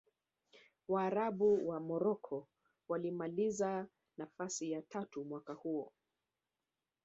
waarabu wa morocco walimaliza nafasi ya tatu mwaka huo